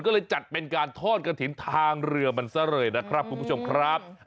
ก็เลยจัดเป็นการทอดกระถิ่นทางเรือมันซะเลยนะครับคุณผู้ชมครับ